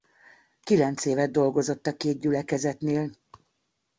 Kilenc évet dolgozott a két gyülekezetnél.